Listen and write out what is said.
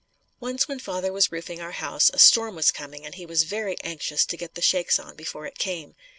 Once when father was roofing our house, a storm was coming and he was very anxious to get the shakes on before it came.